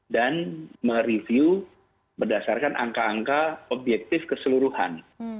dan mereview berdasarkan angka angka objektif keseluruhan